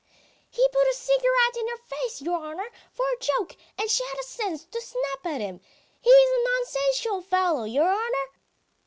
"He put a cigarette in her face, your honour, for a joke, and she had the sense to snap at him. ... He is a nonsensical fellow, your honour!"